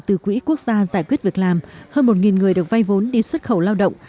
từ quỹ quốc gia giải quyết việc làm hơn một người được vay vốn đi xuất khẩu lao động